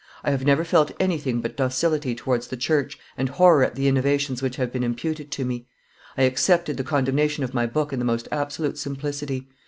I have never felt anything but docility towards the church and horror at the innovations which have been imputed to me. I accepted the condemnation of my book in the most absolute simplicity.